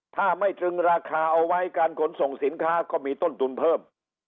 ถ้าไม่ตรึงราคาเอาไว้การขนส่งสินค้าก็มีต้นทุนเพิ่ม